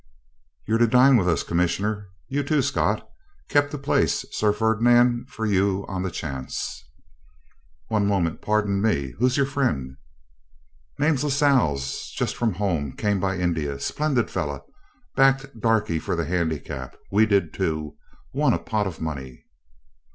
You're to dine with us, Commissioner; you too, Scott; kept a place, Sir Ferdinand, for you on the chance.' 'One moment, pardon me. Who's your friend?' 'Name Lascelles. Just from home came by India. Splendid fellow! Backed Darkie for the handicap we did too won a pot of money.'